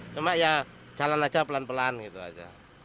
cuma ya jalan aja pelan pelan gitu aja